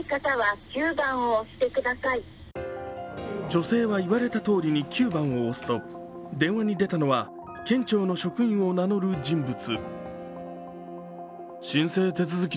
女性は言われたとおりに９番を押すと電話に出たのは県庁の職員を名乗る人物。